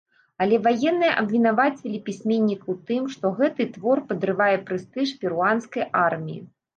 Але ваенныя абвінавацілі пісьменніка ў тым, што гэты твор падрывае прэстыж перуанскай арміі.